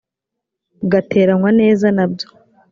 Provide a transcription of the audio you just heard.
ugateranywa neza na byo